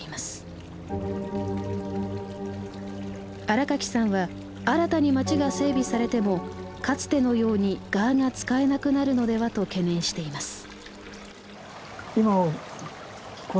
新垣さんは新たに街が整備されてもかつてのようにガーが使えなくなるのではと懸念しています。